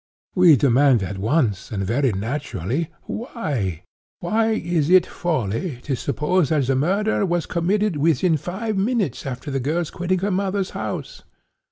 We demand at once, and very naturally, why? Why is it folly to suppose that the murder was committed within five minutes after the girl's quitting her mother's house?